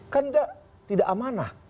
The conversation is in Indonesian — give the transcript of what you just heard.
kan tidak amanah